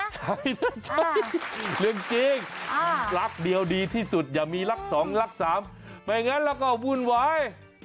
ใช่เรื่องจริงรักเดียวดีที่สุดอย่ามีรักสองรักสามไม่งั้นแล้วก็วุ่นวาย